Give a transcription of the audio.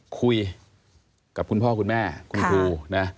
คุยกับคุณพ่อคุณแม่คุณครูนะ